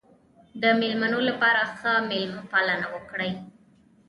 د مېلمنو لپاره ښه مېلمه پالنه وکړئ.